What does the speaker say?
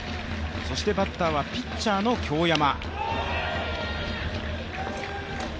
そしてバッターはピッチャーの京山。